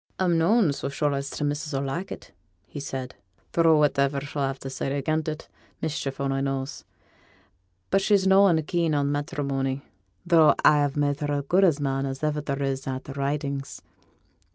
'A'm noan so sure as t' missus 'll like it,' said he; 'tho' whativer she'll ha' to say again it, mischief only knows. But she's noan keen on matterimony; though a have made her as good a man as there is in a' t' Ridings.